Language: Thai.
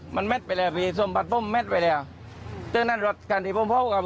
มันเม็ดไปแล้วพี่สมบัติผมเม็ดไปแล้วซึ่งนั่นว่าการที่ผมพบกับ